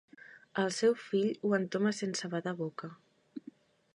El seu fill ho entoma sense badar boca.